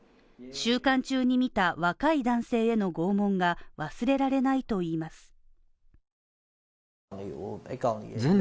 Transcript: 収監中に見た若い男性への拷問が忘れられないといいます。